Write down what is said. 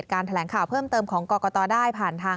ด้วยก็ได้